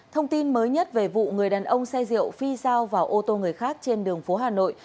thông tin mới nhất về vụ người đàn ông xe rượu phi sao vào ô tô người khác trên đường phố hà nội